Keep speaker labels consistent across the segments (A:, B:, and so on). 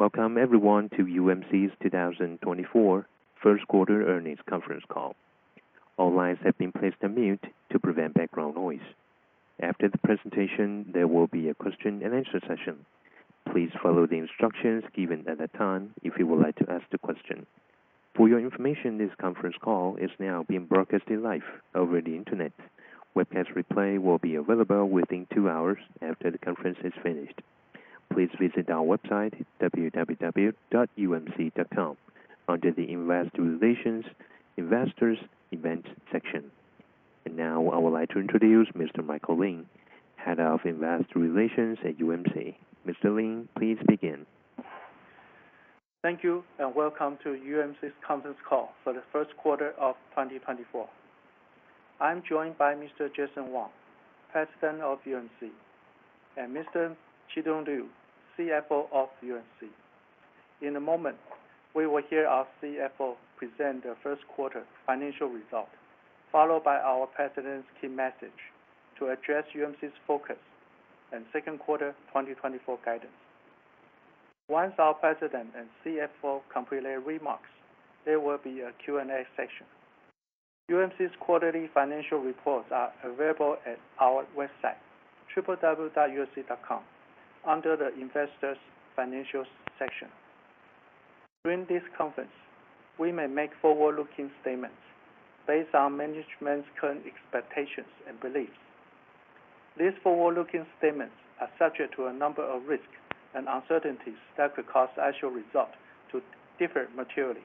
A: Welcome everyone to UMC's 2024 First Quarter Earnings Conference Call. All lines have been placed on mute to prevent background noise. After the presentation, there will be a Q&A session. Please follow the instructions given at that time if you would like to ask a question. For your information, this conference call is now being broadcast live over the Internet. Webcast replay will be available within 2 hours after the conference is finished. Please visit our website, www.umc.com, under the Investor Relations/Investors/Events section. Now I would like to introduce Mr. Michael Lin, Head of Investor Relations at UMC. Mr. Lin, please begin.
B: Thank you and welcome to UMC's conference call for the first quarter of 2024. I'm joined by Mr. Jason Wang, President of UMC, and Mr. Chi-Tung Liu, CFO of UMC. In a moment, we will hear our CFO present the first quarter financial result, followed by our President's key message to address UMC's focus and second quarter 2024 guidance. Once our President and CFO complete their remarks, there will be a Q&A section. UMC's quarterly financial reports are available at our website, www.umc.com, under the Investors/Financials section. During this conference, we may make forward-looking statements based on management's current expectations and beliefs. These forward-looking statements are subject to a number of risks and uncertainties that could cause the actual result to differ materially,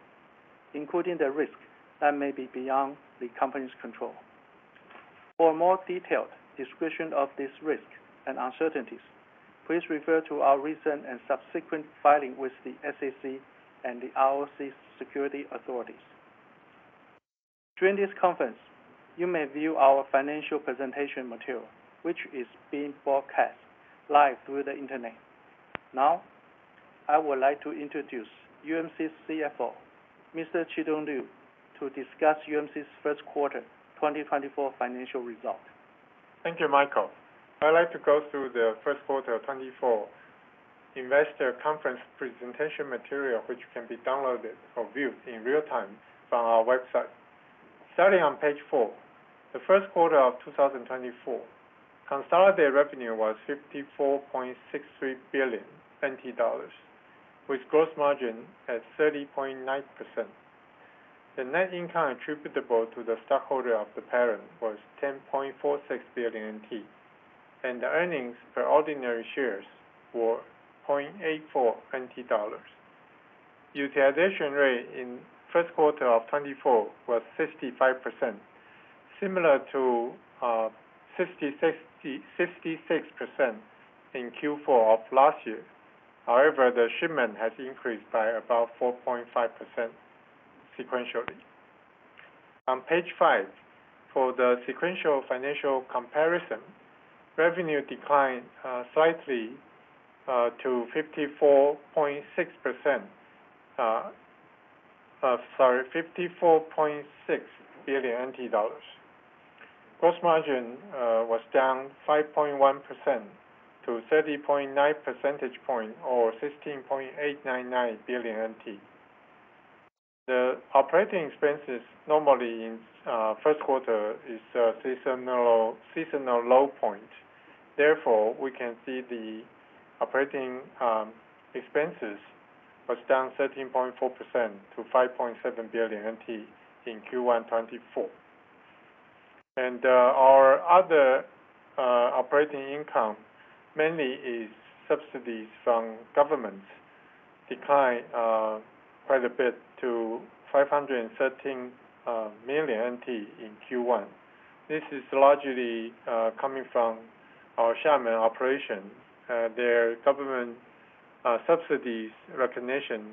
B: including the risk that may be beyond the company's control. For a more detailed description of these risks and uncertainties, please refer to our recent and subsequent filings with the SEC and the R.O.C. Securities Authorities. During this conference, you may view our financial presentation material, which is being broadcast live through the Internet. Now, I would like to introduce UMC's CFO, Mr. Chi-Tung Liu, to discuss UMC's first quarter 2024 financial result.
C: Thank you, Michael. I'd like to go through the first quarter of 2024 investor conference presentation material, which can be downloaded or viewed in real time from our website. Starting on page four, the first quarter of 2024, consolidated revenue was 54.63 billion, with gross margin at 30.9%. The net income attributable to the stockholder of the parent was 10.46 billion NT, and the earnings per ordinary shares were 0.84 NT dollars. Utilization rate in the first quarter of 2024 was 65%, similar to 66% in Q4 of last year. However, the shipment has increased by about 4.5% sequentially. On page five, for the sequential financial comparison, revenue declined slightly to 54.6 billion NT dollars. Gross margin was down 5.1% to 30.9 percentage points, or 16.899 billion NT. The operating expenses normally in the first quarter are seasonal low points. Therefore, we can see the operating expenses were down 13.4% to 5.7 billion NT in Q1 2024. Our other operating income, mainly subsidies from governments, declined quite a bit to 513 million NT in Q1. This is largely coming from our Xiamen operations. Their government subsidies recognition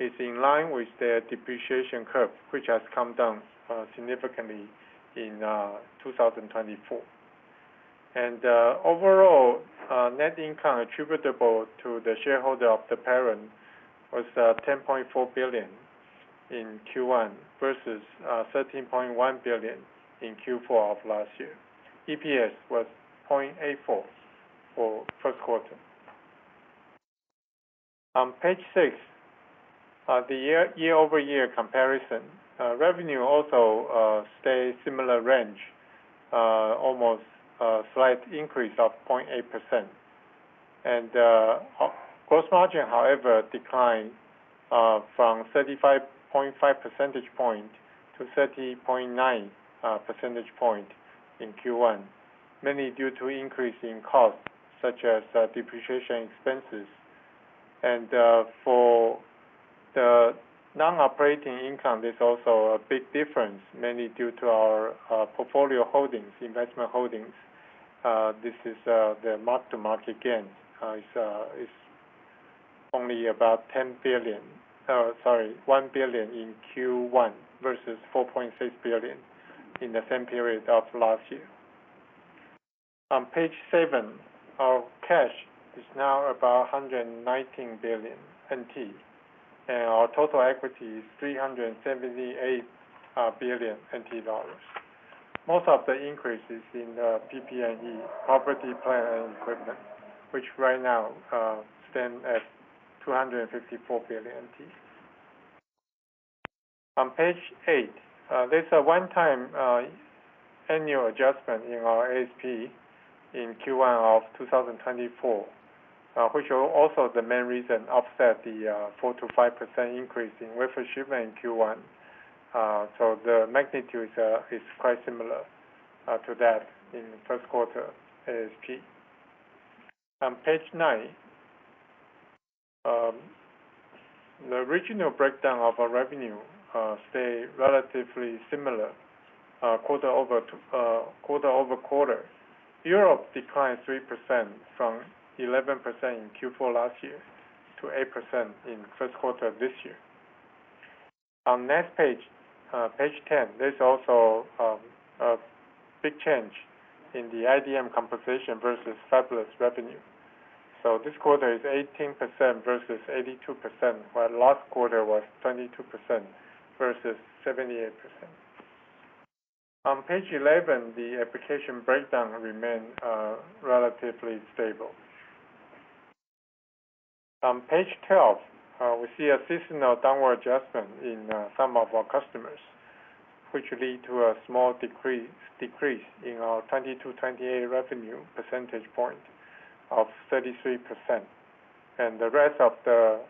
C: is in line with their depreciation curve, which has come down significantly in 2024. Overall, net income attributable to the shareholder of the parent was 10.4 billion in Q1 versus 13.1 billion in Q4 of last year. EPS was 0.84 for the first quarter. On page six, the year-over-year comparison, revenue also stayed in a similar range, almost a slight increase of 0.8%. Gross margin, however, declined from 35.5 percentage points to 30.9 percentage points in Q1, mainly due to increase in costs, such as depreciation expenses. For the non-operating income, there's also a big difference, mainly due to our portfolio holdings, investment holdings. This is the mark-to-market gain. It's only about $1 billion in Q1 versus $4.6 billion in the same period of last year. On page 7, our cash is now about $119 billion, and our total equity is $378 billion. Most of the increase is in the PP&E, property, plant and equipment, which right now stands at $254 billion. On page 8, there's a one-time annual adjustment in our ASP in Q1 of 2024, which is also the main reason that offsets the 4%-5% increase in wafer shipment in Q1. The magnitude is quite similar to that in the first quarter ASP. On page 9, the regional breakdown of our revenue stayed relatively similar, quarter-over-quarter. Europe declined 3% from 11% in Q4 last year to 8% in the first quarter of this year. On page 10, there's also a big change in the IDM composition versus fabless revenue. So this quarter is 18% versus 82%, while last quarter was 22% versus 78%. On page 11, the application breakdown remained relatively stable. On page 12, we see a seasonal downward adjustment in the sum of our customers, which lead to a small decrease in our 22/28nm revenue percentage point of 33%. And the rest of the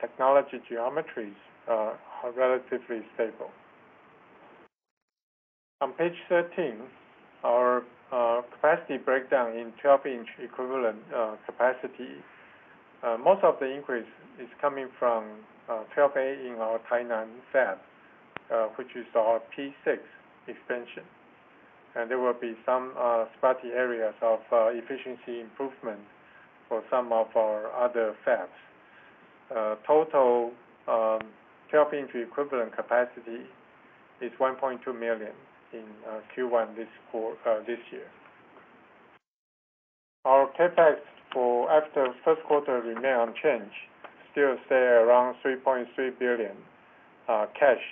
C: technology geometries are relatively stable. On page 13, our capacity breakdown in 12-inch equivalent capacity, most of the increase is coming from 12A in our Tainan fab, which is our P6 expansion. And there will be some spotty areas of efficiency improvement for some of our other fabs. Total 12-inch equivalent capacity is 1.2 million in Q1 this year. Our CapEx after the first quarter remained unchanged, still stayed around $3.3 billion cash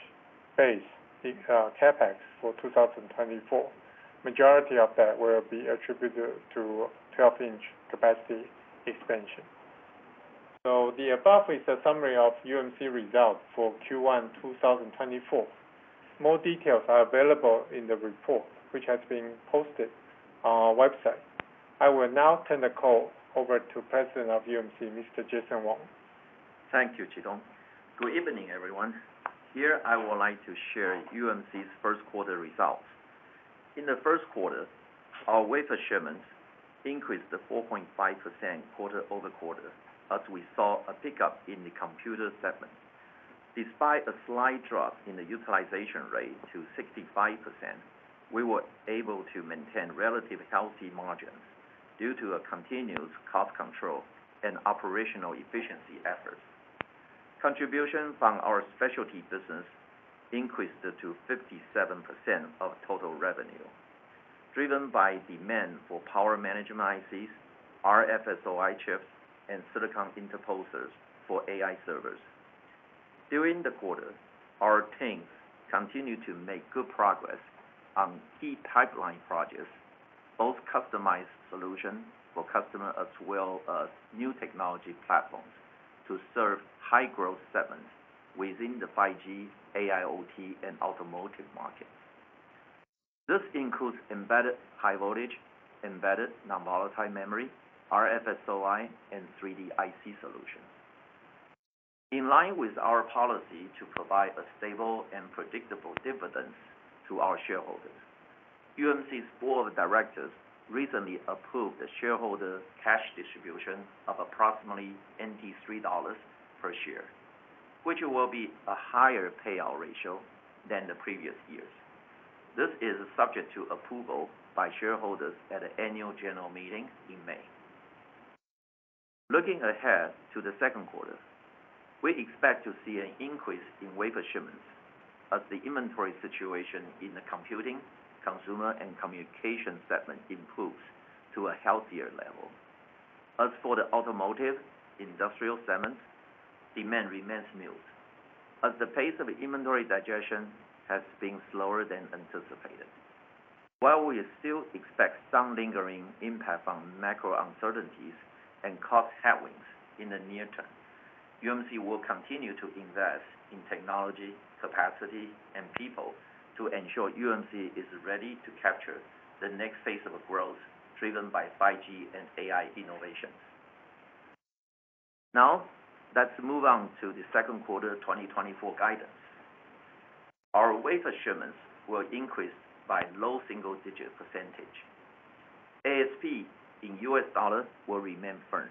C: base CapEx for 2024. The majority of that will be attributed to 12-inch capacity expansion. So the above is a summary of UMC results for Q1 2024. More details are available in the report, which has been posted on our website. I will now turn the call over to President of UMC, Mr. Jason Wang.
D: Thank you, Chi-Tung. Good evening, everyone. Here, I would like to share UMC's first quarter results. In the first quarter, our wafer shipments increased 4.5% quarter-over-quarter as we saw a pickup in the computer segment. Despite a slight drop in the utilization rate to 65%, we were able to maintain relatively healthy margins due to continuous cost control and operational efficiency efforts. Contributions from our specialty business increased to 57% of total revenue, driven by demand for power management ICs, RFSOI chips, and silicon interposers for AI servers. During the quarter, our teams continued to make good progress on key pipeline projects, both customized solutions for customers as well as new technology platforms to serve high-growth segments within the 5G, AIoT, and automotive markets. This includes embedded high-voltage, embedded non-volatile memory, RFSOI, and 3D IC solutions, in line with our policy to provide a stable and predictable dividend to our shareholders. UMC's board of directors recently approved a shareholder cash distribution of approximately $93 per share, which will be a higher payout ratio than the previous years. This is subject to approval by shareholders at an annual general meeting in May. Looking ahead to the second quarter, we expect to see an increase in wafer shipments as the inventory situation in the computing, consumer, and communications segment improves to a healthier level. As for the automotive industrial segment, demand remains muted as the pace of inventory digestion has been slower than anticipated. While we still expect some lingering impact from macro uncertainties and cost headwinds in the near term, UMC will continue to invest in technology, capacity, and people to ensure UMC is ready to capture the next phase of growth driven by 5G and AI innovations. Now, let's move on to the second quarter 2024 guidance. Our wafer shipments will increase by a low single-digit %. ASP in US dollars will remain firm.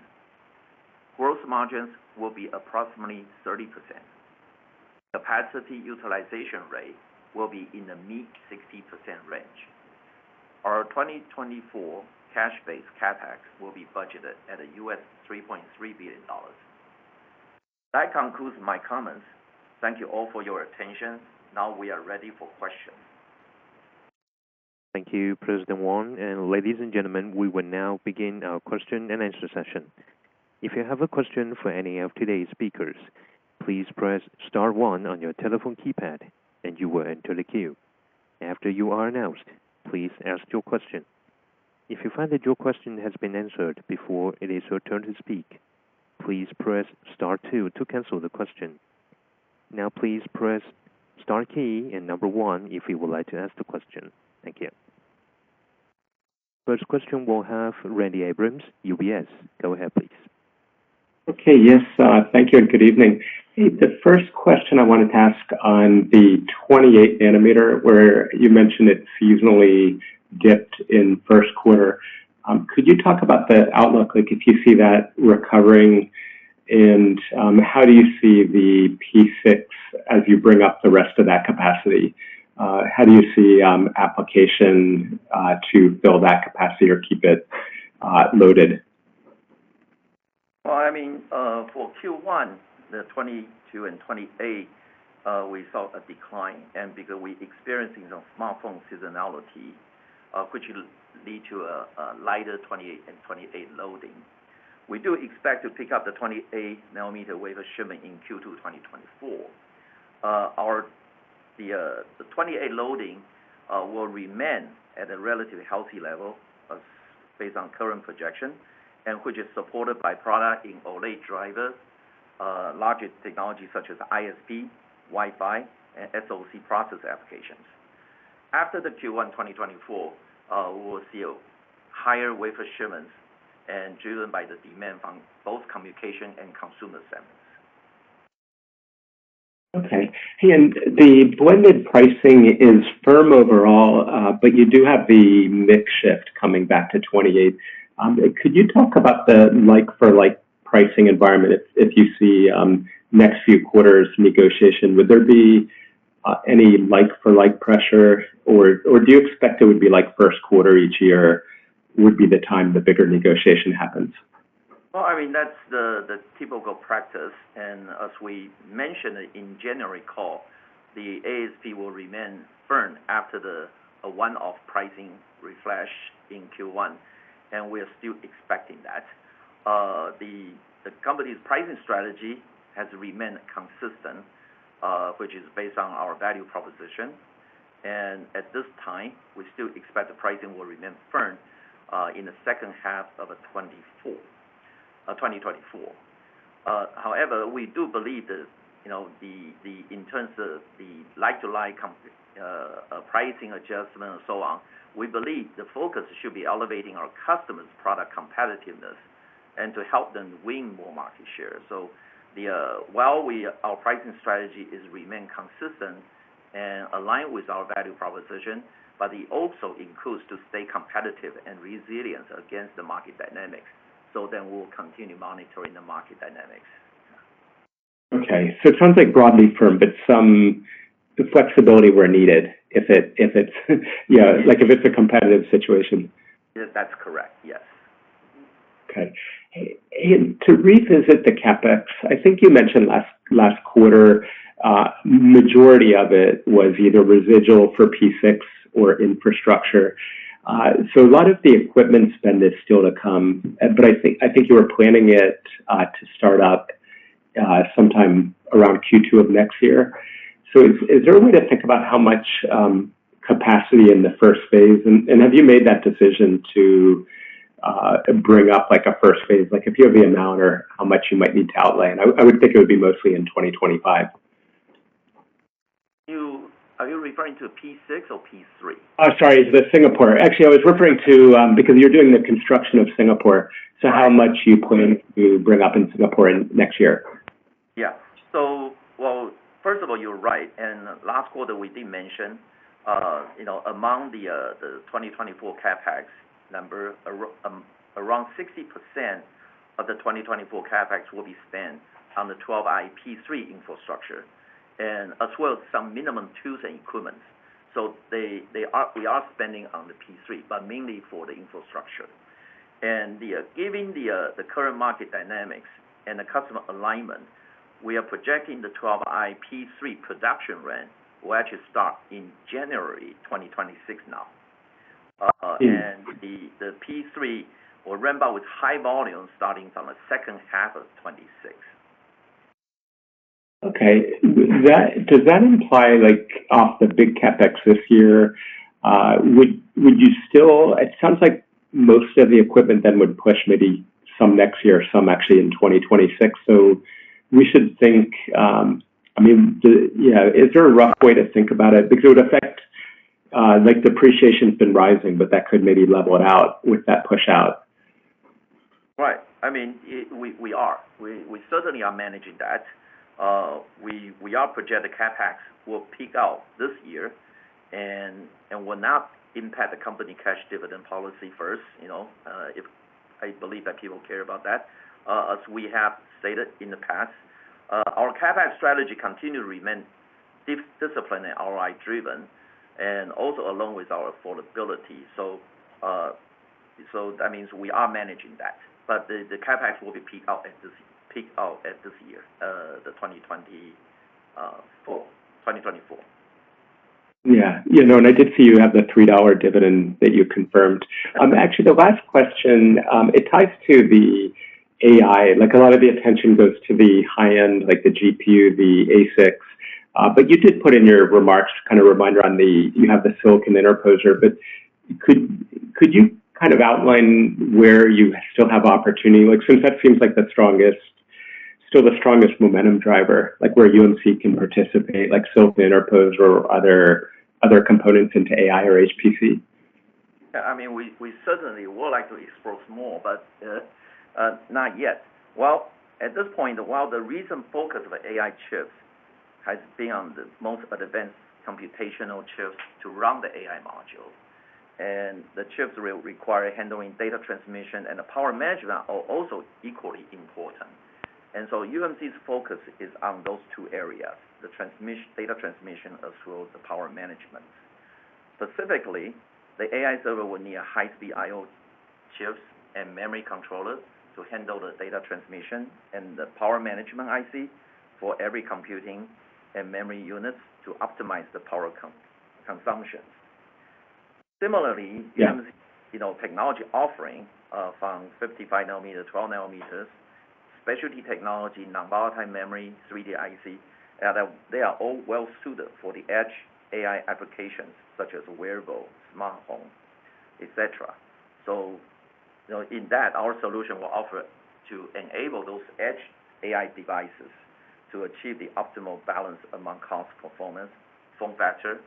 D: Gross margins will be approximately 30%. Capacity utilization rate will be in the mid-60% range. Our 2024 cash-based CapEx will be budgeted at $3.3 billion. That concludes my comments. Thank you all for your attention. Now, we are ready for questions.
A: Thank you, President Wang. Ladies and gentlemen, we will now begin our question and answer session. If you have a question for any of today's speakers, please press Star 1 on your telephone keypad, and you will enter the queue. After you are announced, please ask your question. If you find that your question has been answered before it is your turn to speak, please press Star 2 to cancel the question. Now, please press Star 1 if you would like to ask the question. Thank you. First question will have Randy Abrams, UBS. Go ahead, please.
E: Okay. Yes. Thank you. Good evening. The first question I wanted to ask on the 28-nanometer, where you mentioned it seasonally dipped in the first quarter, could you talk about the outlook? If you see that recovering, how do you see the P6 as you bring up the rest of that capacity? How do you see application to fill that capacity or keep it loaded?
D: Well, I mean, for Q1, the 22 and 28, we saw a decline. Because we experienced some smartphone seasonality, which led to a lighter 28 and 28 loading, we do expect to pick up the 28-nanometer wafer shipment in Q2 2024. The 28 loading will remain at a relatively healthy level based on current projection, which is supported by products in OLED drivers, larger technologies such as ISP, Wi-Fi, and SoC process applications. After the Q1 2024, we will see higher wafer shipments driven by the demand from both communication and consumer segments.
E: Okay. Hey, and the blended pricing is firm overall, but you do have the mix shift coming back to '28. Could you talk about the like-for-like pricing environment? If you see next few quarters negotiation, would there be any like-for-like pressure? Or do you expect it would be like first quarter each year would be the time the bigger negotiation happens?
D: Well, I mean, that's the typical practice. As we mentioned in the January call, the ASP will remain firm after the one-off pricing refresh in Q1. We are still expecting that. The company's pricing strategy has remained consistent, which is based on our value proposition. At this time, we still expect the pricing will remain firm in the second half of 2024. However, we do believe that in terms of the like-to-like pricing adjustment and so on, we believe the focus should be elevating our customers' product competitiveness and to help them win more market share. While our pricing strategy remains consistent and aligned with our value proposition, it also includes staying competitive and resilient against the market dynamics. Then we'll continue monitoring the market dynamics.
E: Okay. So it sounds like broadly firm, but some flexibility where needed if it's, yeah, if it's a competitive situation.
D: That's correct. Yes.
E: Okay. Hey, to revisit the CapEx, I think you mentioned last quarter, the majority of it was either residual for P6 or infrastructure. So a lot of the equipment spend is still to come. But I think you were planning it to start up sometime around Q2 of next year. So is there a way to think about how much capacity in the first phase? And have you made that decision to bring up a first phase? If you have the amount or how much you might need to outlay, and I would think it would be mostly in 2025.
D: Are you referring to P6 or P3?
E: Oh, sorry. The Singapore. Actually, I was referring to because you're doing the construction of Singapore, so how much you plan to bring up in Singapore next year?
D: Yeah. Well, first of all, you're right. Last quarter, we did mention among the 2024 CapEx number, around 60% of the 2024 CapEx will be spent on the 12i P3 infrastructure, as well as some minimum tools and equipment. So we are spending on the P3, but mainly for the infrastructure. Given the current market dynamics and the customer alignment, we are projecting the 12i P3 production run will actually start in January 2026 now. The P3 will run about with high volume starting from the second half of 2026.
E: Okay. Does that imply off the big CapEx this year? Would you still it sounds like most of the equipment then would push maybe some next year, some actually in 2026. So we should think I mean, yeah, is there a rough way to think about it? Because it would affect the appreciation has been rising, but that could maybe level it out with that push out.
D: Right. I mean, we are. We certainly are managing that. We are projecting CapEx will peak out this year and will not impact the company cash dividend policy first. I believe that people care about that, as we have stated in the past. Our CapEx strategy continues to remain disciplined and ROI-driven and also along with our affordability. So that means we are managing that. But the CapEx will be peaked out at this year, 2024.
E: Yeah. And I did see you have the $3 dividend that you confirmed. Actually, the last question, it ties to the AI. A lot of the attention goes to the high-end, like the GPU, the A6. But you did put in your remarks kind of reminder on the you have the silicon interposer. But could you kind of outline where you still have opportunity? Since that seems like still the strongest momentum driver, where UMC can participate, like silicon interposer or other components into AI or HPC?
D: Yeah. I mean, we certainly would like to explore more, but not yet. Well, at this point, while the recent focus of AI chips has been on the most advanced computational chips to run the AI modules, and the chips require handling data transmission and the power management are also equally important. And so UMC's focus is on those two areas, the data transmission as well as the power management. Specifically, the AI server will need high-speed I/O chips and memory controllers to handle the data transmission and the power management IC for every computing and memory unit to optimize the power consumption. Similarly, UMC's technology offering from 55 nanometers, 12 nanometers, specialty technology, non-volatile memory, 3D IC, they are all well-suited for the edge AI applications such as wearables, smartphones, etc. So in that, our solution will offer to enable those edge AI devices to achieve the optimal balance among cost, performance, form factor,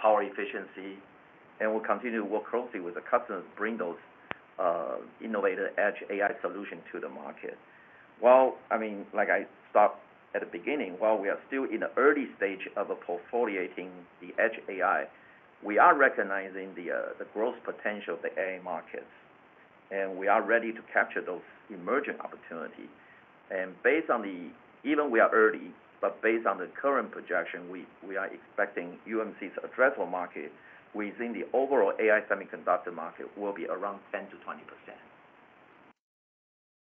D: power efficiency, and we'll continue to work closely with the customers to bring those innovative edge AI solutions to the market. Well, I mean, like I stopped at the beginning, while we are still in the early stage of portfoliating the edge AI, we are recognizing the growth potential of the AI markets. And we are ready to capture those emerging opportunities. And even we are early, but based on the current projection, we are expecting UMC's addressable market within the overall AI semiconductor market will be around 10%-20%.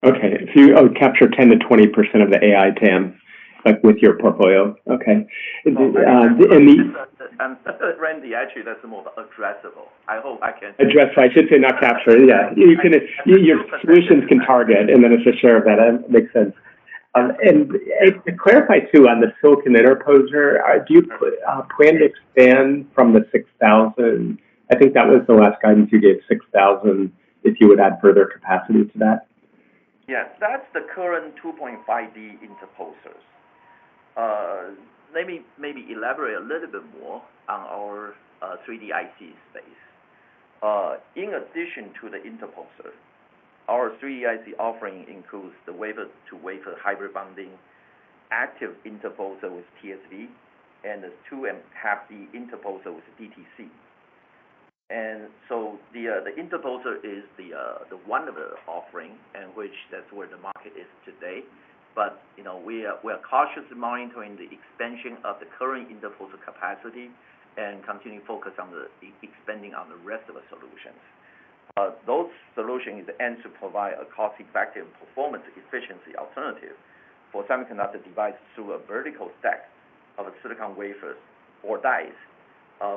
E: Okay. So you'll capture 10%-20% of the AI TAM with your portfolio. Okay. And the.
D: Randy, actually, that's more addressable. I hope I can.
E: Addressable. I should say not capture. Yeah. Your solutions can target, and then it's a share of that. That makes sense. And to clarify too on the silicon interposer, do you plan to expand from the 6,000? I think that was the last guidance you gave, 6,000, if you would add further capacity to that.
D: Yes. That's the current 2.5D interposers. Let me maybe elaborate a little bit more on our 3D IC space. In addition to the interposer, our 3D IC offering includes the wafer-to-wafer hybrid bonding, active interposer with TSV, and the 2.5D interposer with DTC. And so the interposer is one of the offerings, and that's where the market is today. But we are cautiously monitoring the expansion of the current interposer capacity and continuing to focus on expanding on the rest of the solutions. Those solutions aim to provide a cost-effective performance efficiency alternative for semiconductor devices through a vertical stack of silicon wafers or dies,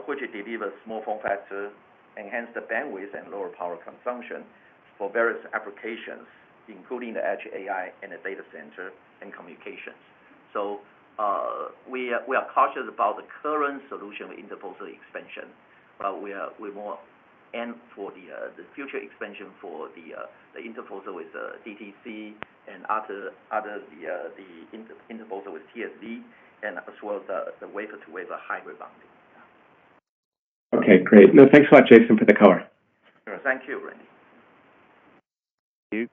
D: which delivers small form factor, enhances the bandwidth, and lower power consumption for various applications, including the edge AI and the data center and communications. We are cautious about the current solution with interposer expansion, but we're more aimed for the future expansion for the interposer with DTC and other the interposer with TSV and as well as the wafer-to-wafer hybrid bonding. Yeah.
E: Okay. Great. No, thanks a lot, Jason, for the call.
D: Sure. Thank you, Randy.
A: Thank you.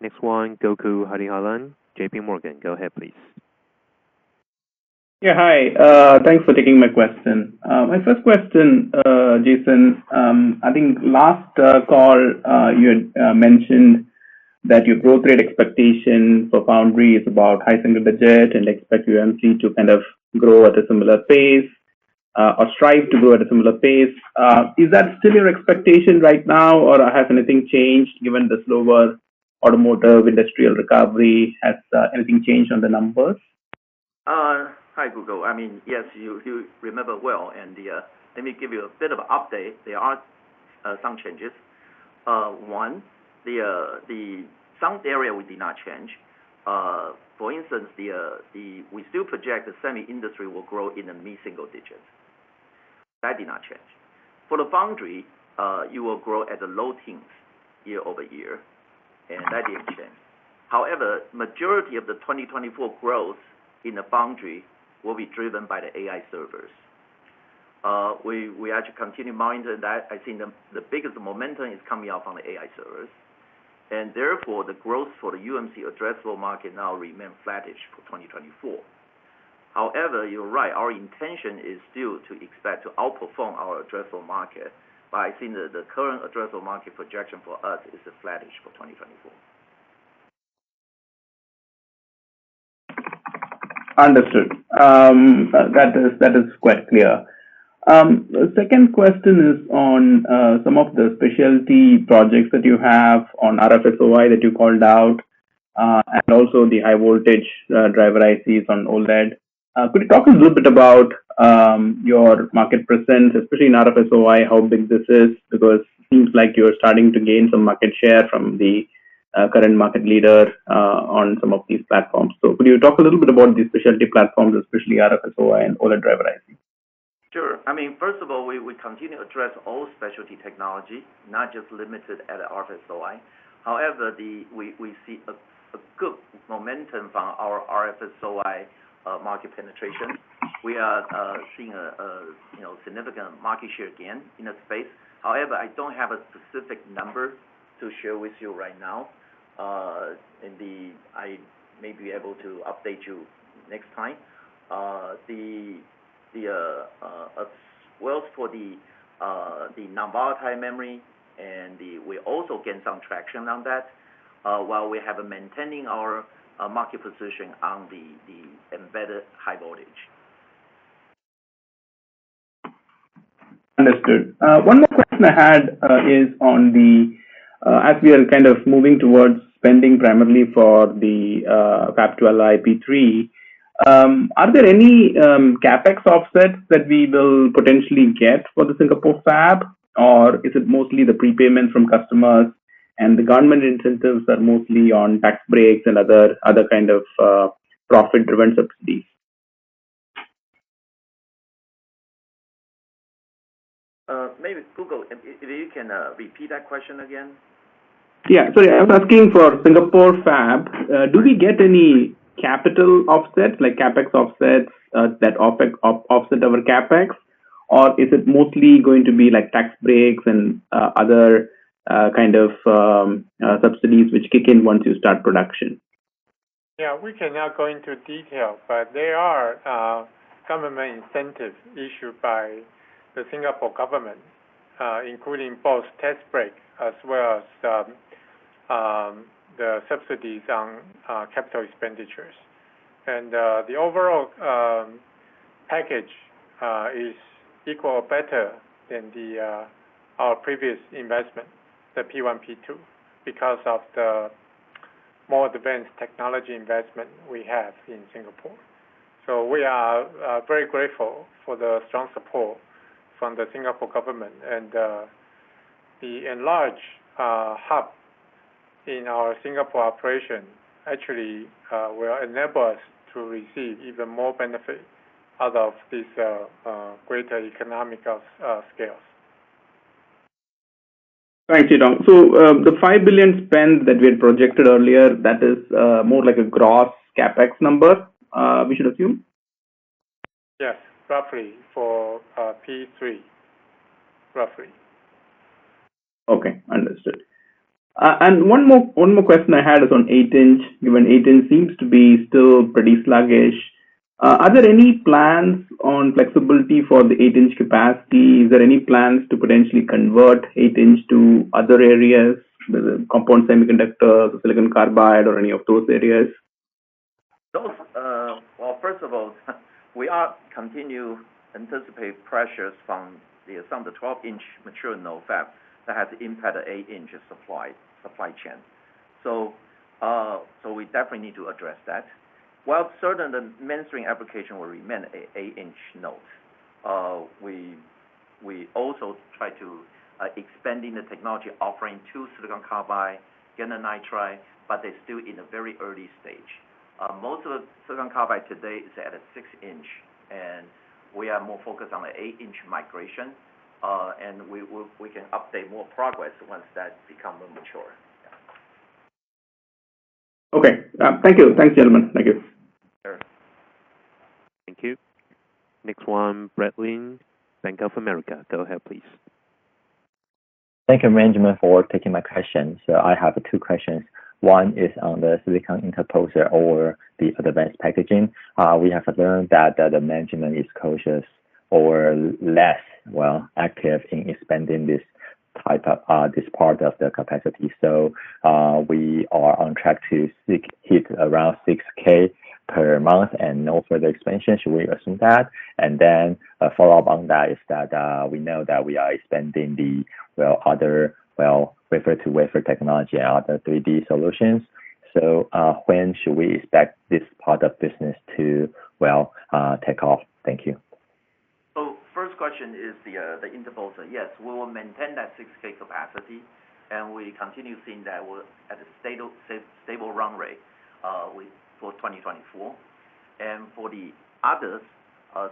A: Next one, Gokul Hariharan, JPMorgan. Go ahead, please.
F: Yeah. Hi. Thanks for taking my question. My first question, Jason, I think last call, you had mentioned that your growth rate expectation for Foundry is about high single digit and expect UMC to kind of grow at a similar pace or strive to grow at a similar pace. Is that still your expectation right now, or has anything changed given the slower automotive industrial recovery? Has anything changed on the numbers?
D: Hi, Gokul. I mean, yes, you remember well. Let me give you a bit of an update. There are some changes. One, the same areas we did not change. For instance, we still project the semi-industry will grow in the mid-single digits. That did not change. For the Foundry, we will grow at the low teens year-over-year. And that didn't change. However, the majority of the 2024 growth in the Foundry will be driven by the AI servers. We actually continue monitoring that. I think the biggest momentum is coming out from the AI servers. And therefore, the growth for the UMC addressable market now remains flattish for 2024. However, you're right. Our intention is still to expect to outperform our addressable market. But I think the current addressable market projection for us is flattish for 2024.
F: Understood. That is quite clear. The second question is on some of the specialty projects that you have on RFSOI that you called out and also the high-voltage driver ICs on OLED. Could you talk a little bit about your market presence, especially in RFSOI, how big this is? Because it seems like you're starting to gain some market share from the current market leader on some of these platforms. So could you talk a little bit about these specialty platforms, especially RFSOI and OLED driver IC?
D: Sure. I mean, first of all, we continue to address all specialty technology, not just limited at RFSOI. However, we see a good momentum from our RFSOI market penetration. We are seeing a significant market share again in that space. However, I don't have a specific number to share with you right now. I may be able to update you next time. As well as for the non-volatile memory, we also gain some traction on that while we have maintained our market position on the embedded high voltage.
F: Understood. One more question I had is on the as we are kind of moving towards spending primarily for the Fab 12i P3, are there any CapEx offsets that we will potentially get for the Singapore Fab, or is it mostly the prepayment from customers and the government incentives that are mostly on tax breaks and other kind of profit-driven subsidies?
D: Maybe, Google, if you can repeat that question again.
F: Yeah. Sorry. I was asking for Singapore Fab. Do we get any capital offsets, like CapEx offsets, that offset over CapEx, or is it mostly going to be tax breaks and other kind of subsidies which kick in once you start production?
C: Yeah. We cannot go into detail, but they are government incentives issued by the Singapore government, including both tax breaks as well as the subsidies on capital expenditures. And the overall package is equal or better than our previous investment, the P1, P2, because of the more advanced technology investment we have in Singapore. So we are very grateful for the strong support from the Singapore government. And the enlarged hub in our Singapore operation actually will enable us to receive even more benefit out of these greater economic scales.
F: Thank you, Tom. So the $5 billion spend that we had projected earlier, that is more like a gross CapEx number, we should assume?
C: Yes, roughly for P3, roughly.
F: Okay. Understood. And one more question I had is on 8-inch, given 8-inch seems to be still pretty sluggish. Are there any plans on flexibility for the 8-inch capacity? Is there any plans to potentially convert 8-inch to other areas, the compound semiconductors, silicon carbide, or any of those areas?
D: Well, first of all, we continue to anticipate pressures from some of the 12-inch material in our fab that has impacted the 8-inch supply chain. So we definitely need to address that. While certainly the mainstream application will remain an 8-inch node, we also try to expand the technology offering to silicon carbide, gallium nitride, but they're still in a very early stage. Most of the silicon carbide today is at a 6-inch, and we are more focused on the 8-inch migration. And we can update more progress once that becomes more mature. Yeah.
F: Okay. Thank you. Thanks, gentlemen. Thank you.
D: Sure.
A: Thank you. Next one, Brad Lin, Bank of America. Go ahead, please.
G: Thank you, management, for taking my question. I have two questions. One is on the silicon interposer or the advanced packaging. We have learned that the management is cautious or less, well, active in expanding this part of the capacity. We are on track to hit around 6,000 per month and no further expansion. Should we assume that? A follow-up on that is that we know that we are expanding the other wafer-to-wafer technology and other 3D solutions. When should we expect this part of business to, well, take off? Thank you.
D: First question is the interposer. Yes, we will maintain that 6K capacity, and we continue seeing that at a stable run rate for 2024. For the others,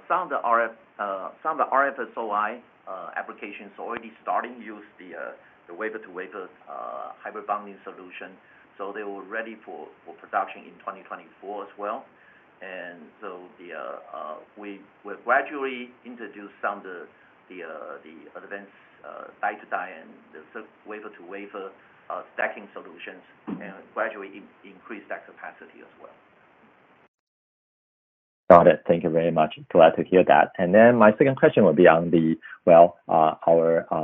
D: some of the RFSOI applications are already starting to use the wafer-to-wafer hybrid bonding solution. They were ready for production in 2024 as well. We will gradually introduce some of the advanced die-to-die and the wafer-to-wafer stacking solutions and gradually increase that capacity as well.
G: Got it. Thank you very much. Glad to hear that. And then my second question would be on, well,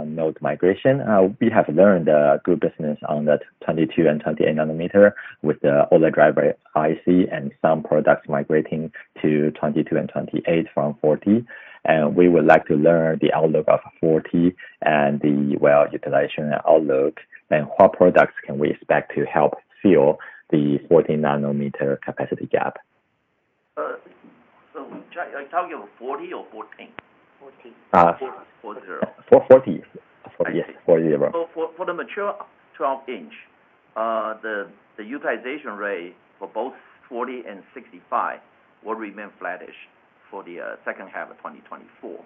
G: node migration. We have landed good business on the 22- and 28-nanometer with the OLED driver IC and some products migrating to 22 and 28 from 40. And we would like to learn the outlook of 40 and the, well, utilization outlook and what products can we expect to help fill the 40-nanometer capacity gap?
D: Are you talking about 14 or 40?
G: 40. 40. Yes. 40.
D: For the mature 12-inch, the utilization rate for both 40 and 65 will remain flattish for the second half of 2024.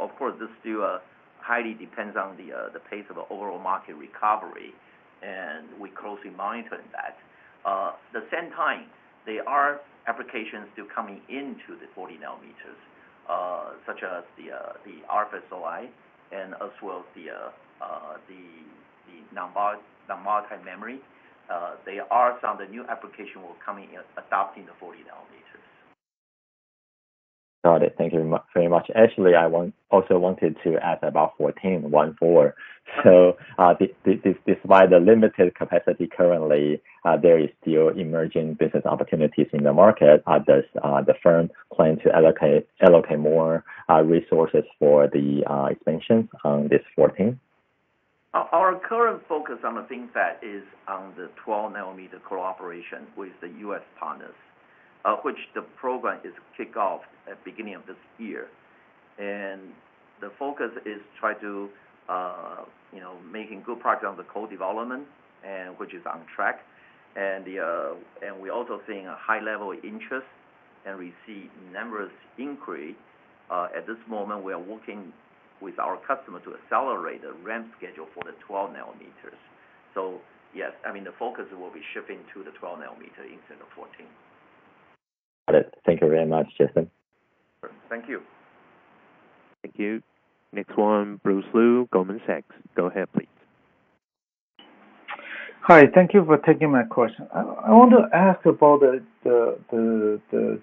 D: Of course, this still highly depends on the pace of overall market recovery, and we're closely monitoring that. At the same time, there are applications still coming into the 40 nanometers, such as the RFSOI and as well as the non-volatile memory. There are some of the new applications that will come in adopting the 40 nanometers.
G: Got it. Thank you very much. Actually, I also wanted to ask about 14, 14. So despite the limited capacity currently, there are still emerging business opportunities in the market. Does the firm plan to allocate more resources for the expansions on this 14?
D: Our current focus on the things that is on the 12-nanometer cooperation with the U.S. partners, which the program is kicked off at the beginning of this year. The focus is to try to make a good product on the co-development, which is on track. We also see a high level of interest and receive numerous inquiries. At this moment, we are working with our customer to accelerate the ramp schedule for the 12 nanometers. So yes, I mean, the focus will be shifting to the 12 nanometer instead of 14.
G: Got it. Thank you very much, Jason.
D: Thank you.
A: Thank you. Next one, Bruce Lu, Goldman Sachs. Go ahead, please.
H: Hi. Thank you for taking my question. I want to ask about,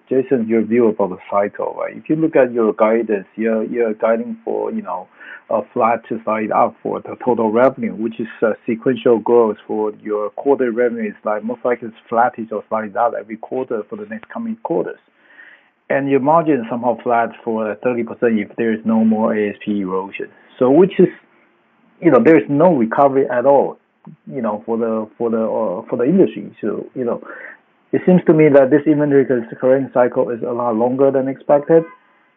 H: Jason, your view about the cycle. If you look at your guidance, you're guiding for a flat to slide up for the total revenue, which is sequential growth for your quarterly revenues. Most likely, it's flattish or slides out every quarter for the next coming quarters. Your margin is somehow flat for 30% if there is no more ASP erosion. There is no recovery at all for the industry. It seems to me that this inventory current cycle is a lot longer than expected.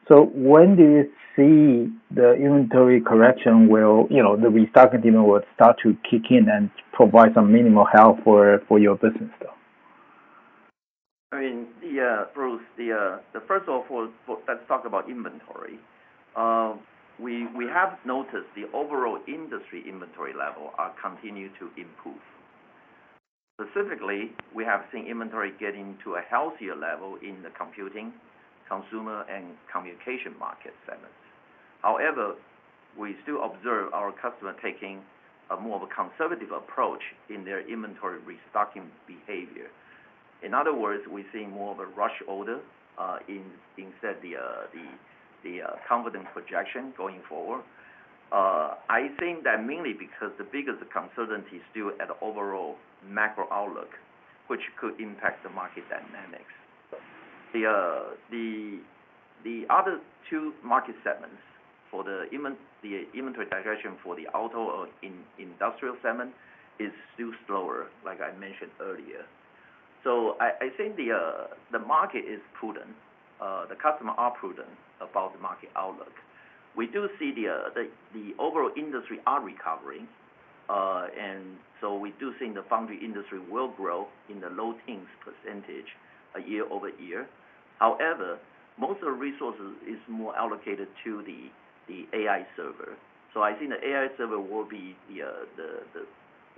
H: When do you see the inventory correction where the restocking demand will start to kick in and provide some minimal help for your business, though?
D: I mean, yeah, Bruce, first of all, let's talk about inventory. We have noticed the overall industry inventory level continues to improve. Specifically, we have seen inventory getting to a healthier level in the computing, consumer, and communication market segments. However, we still observe our customer taking a more conservative approach in their inventory restocking behavior. In other words, we're seeing more of a rush order instead of the confident projection going forward. I think that mainly because the biggest concern is still at the overall macro outlook, which could impact the market dynamics. The other two market segments for the inventory digestion for the auto or industrial segment is still slower, like I mentioned earlier. So I think the market is prudent. The customers are prudent about the market outlook. We do see the overall industry is recovering. And so we do see the foundry industry will grow in the low teens % year-over-year. However, most of the resources are more allocated to the AI server. So I think the AI server will be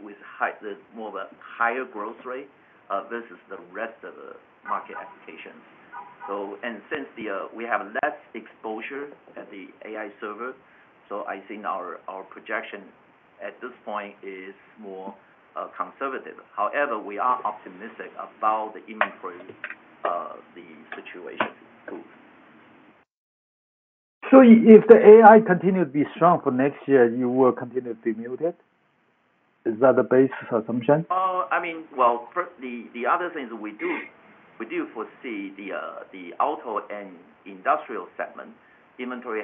D: with more of a higher growth rate versus the rest of the market applications. And since we have less exposure at the AI server, so I think our projection at this point is more conservative. However, we are optimistic about the inventory situation improving.
H: So if the AI continues to be strong for next year, you will continue to be muted? Is that the basic assumption?
D: I mean, well, the other thing is we do foresee the auto and industrial segment inventory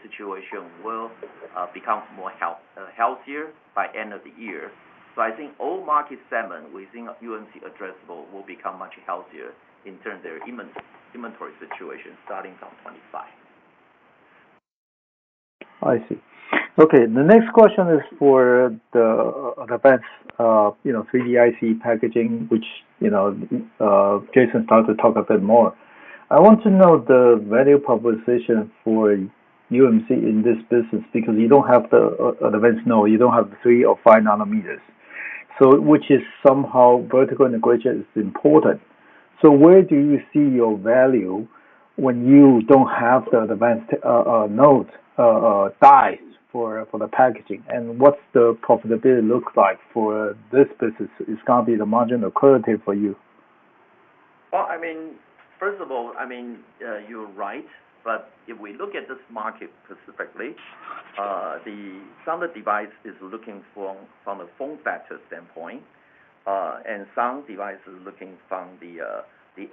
D: situation will become more healthier by the end of the year. So I think all market segments within UMC addressable will become much healthier in terms of their inventory situation starting from 2025.
H: I see. Okay. The next question is for the advanced 3D IC packaging, which Jason started to talk a bit more. I want to know the value proposition for UMC in this business because you don't have the advanced node. You don't have the 3 or 5 nanometers, which is somehow vertical integration is important. So where do you see your value when you don't have the advanced nodes, dies for the packaging? And what's the profitability look like for this business? It's going to be the margin of equality for you.
D: Well, I mean, first of all, I mean, you're right. But if we look at this market specifically, some of the devices are looking from a form factor standpoint, and some devices are looking from the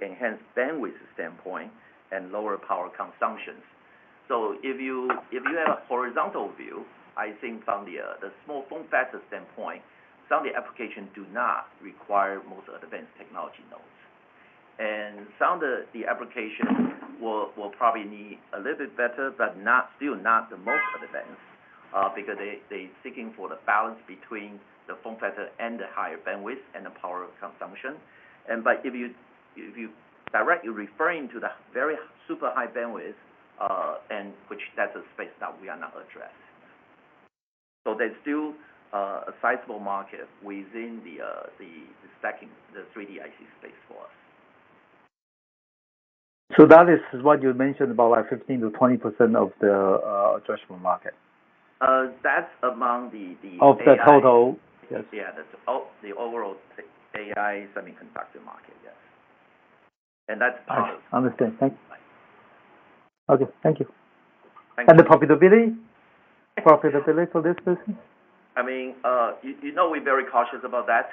D: enhanced bandwidth standpoint and lower power consumptions. So if you have a horizontal view, I think from the small form factor standpoint, some of the applications do not require most advanced technology nodes. And some of the applications will probably need a little bit better, but still not the most advanced because they're seeking for the balance between the form factor and the higher bandwidth and the power consumption. But if you're directly referring to the very super high bandwidth, which that's a space that we are not addressing. So there's still a sizable market within the stacking, the 3D IC space for us.
H: That is what you mentioned about 15%-20% of the addressable market.
D: That's among the AI.
H: Of the total. Yes.
D: Yeah. The overall AI semiconductor market. Yes. And that's part of.
H: Understood. Thank you. Okay. Thank you. And the profitability for this business?
D: I mean, we're very cautious about that.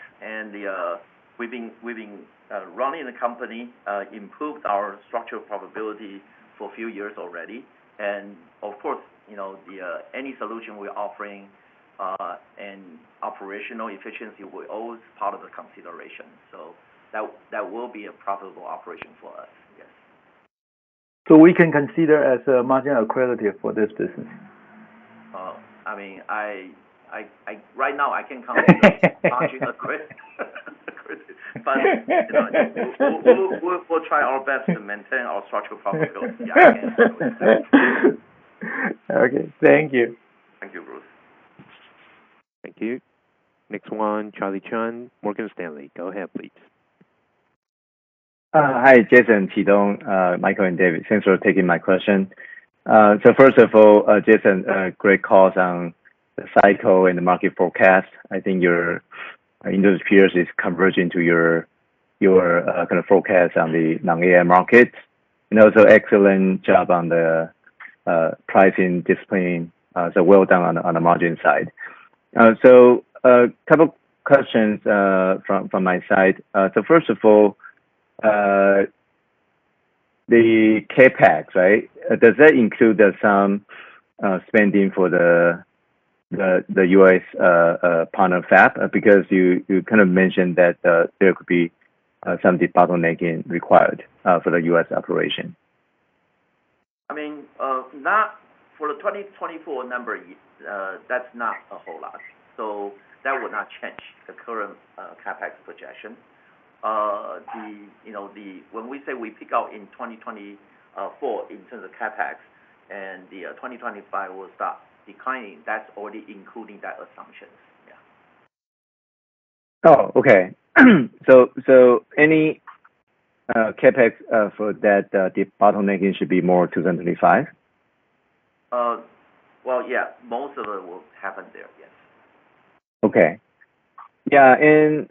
D: We've been running the company, improved our structural profitability for a few years already. Of course, any solution we're offering and operational efficiency will always be part of the consideration. So that will be a profitable operation for us. Yes.
H: So, we can consider as a margin of equality for this business?
D: I mean, right now, I can't count on the margin of equality. But we'll try our best to maintain our structural probability. Yeah.
H: Okay. Thank you.
D: Thank you, Bruce.
A: Thank you. Next one, Charlie Chan, Morgan Stanley. Go ahead, please.
I: Hi, Jason, Chi-Tung, Michael, and David. Thanks for taking my question. So first of all, Jason, great calls on the cycle and the market forecast. I think your industry peers are converging to your kind of forecast on the non-AI market. And also excellent job on the pricing discipline. So well done on the margin side. So a couple of questions from my side. So first of all, the CapEx, right? Does that include some spending for the US partner fab? Because you kind of mentioned that there could be some de-bottlenecking required for the US operation.
D: I mean, for the 2024 number, that's not a whole lot. So that will not change the current CapEx projection. When we say we pick out in 2024 in terms of CapEx and 2025 will start declining, that's already including that assumption. Yeah.
I: Oh, okay. So any CapEx for that de-bottlenecking should be more in 2025?
D: Well, yeah. Most of it will happen there. Yes.
I: Okay. Yeah.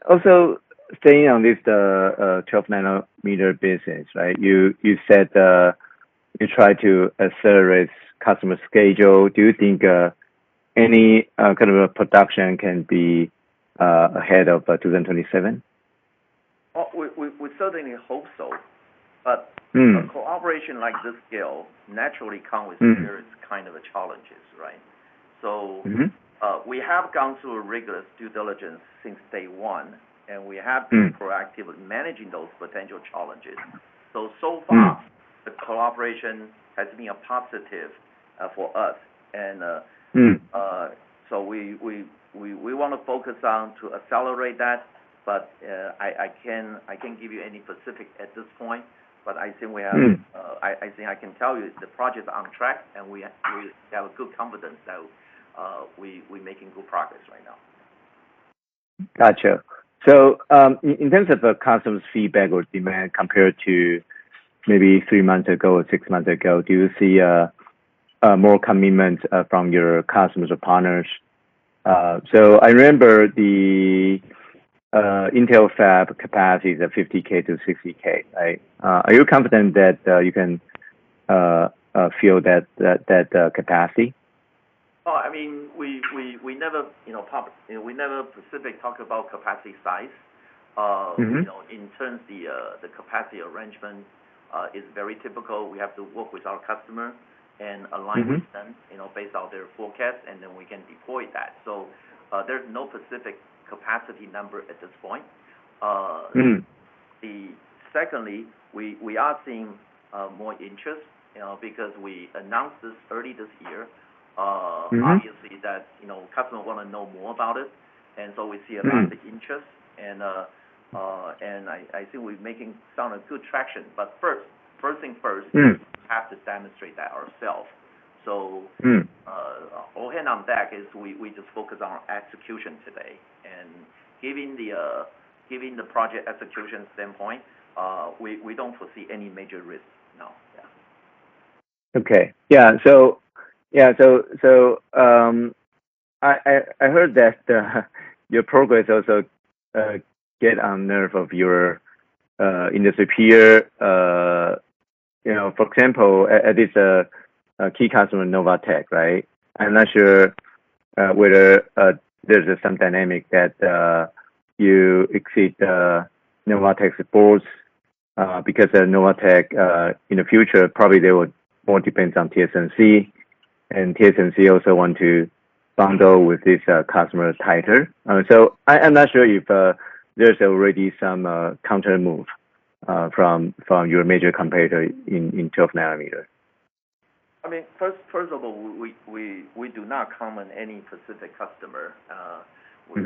I: Also staying on with the 12-nanometer business, right? You said you try to accelerate customer schedule. Do you think any kind of production can be ahead of 2027?
D: We certainly hope so. But a cooperation like this scale naturally comes with various kinds of challenges, right? So we have gone through a rigorous due diligence since day one, and we have been proactively managing those potential challenges. So far, the cooperation has been positive for us. And so we want to focus on to accelerate that. But I can't give you any specifics at this point. But I think I can tell you the project is on track, and we have good confidence that we're making good progress right now.
I: Gotcha. So in terms of the customers' feedback or demand compared to maybe three months ago or six months ago, do you see more commitment from your customers or partners? So I remember the Intel fab capacity is at 50K-60K, right? Are you confident that you can fill that capacity?
D: Oh, I mean, we never specifically talk about capacity size. In terms, the capacity arrangement is very typical. We have to work with our customer and align with them based on their forecast, and then we can deploy that. So there's no specific capacity number at this point. Secondly, we are seeing more interest because we announced this early this year. Obviously, that customers want to know more about it. And so we see a lot of interest. And I think we're making some good traction. But first thing first, we have to demonstrate that ourselves. So all hands on deck is we just focus on our execution today. And given the project execution standpoint, we don't foresee any major risks now. Yeah.
I: Okay. Yeah. So yeah. So I heard that your progress also gets on the nerve of your industry peer. For example, at least a key customer, Novatek, right? I'm not sure whether there's some dynamic that you exceed Novatek's boards because Novatek in the future, probably they will more depend on TSMC. And TSMC also wants to bundle with this customer tighter. So I'm not sure if there's already some countermove from your major competitor in 12 nanometer.
D: I mean, first of all, we do not comment on any specific customer. We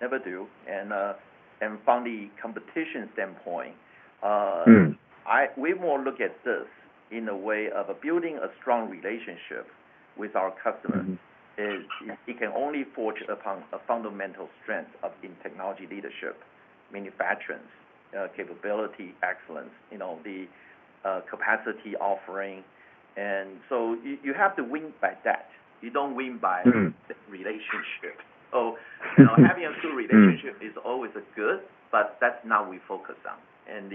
D: never do. From the competition standpoint, we more look at this in the way of building a strong relationship with our customers. It can only forge upon a fundamental strength in technology leadership, manufacturing capability, excellence, the capacity offering. You have to win by that. You don't win by relationship. Having a good relationship is always good, but that's not what we focus on.